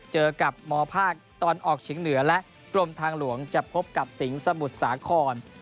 เจอกับมภาคตะวันออกเฉียงเหนือและกรมทางหลวงจะพบกับสิงห์สมุทรสาคร